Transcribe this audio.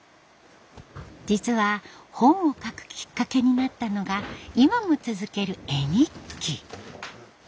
実は本を書くきっかけになったのが今も続ける絵日記。